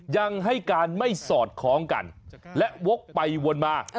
ยังให้การไม่สอดคล้องกันและวกไปวนมา